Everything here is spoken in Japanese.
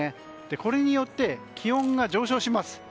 これによって気温が上昇します。